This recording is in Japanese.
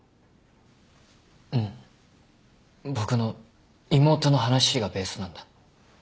うん僕の妹の話がベースなんだ。